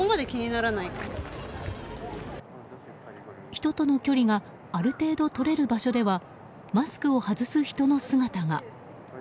人との距離がある程度とれる場所ではマスクを外す人の姿が。